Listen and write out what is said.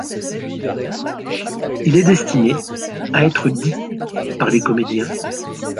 Il est destiné à être dit par les comédiens.